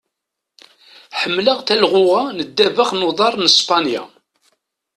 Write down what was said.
Ḥemmleɣ talɣuɣa n ddabex n uḍar n Spanya.